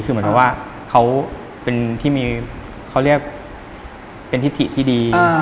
คือเหมือนกับว่าเขาเรียกเป็นทิศิษย์ที่ดี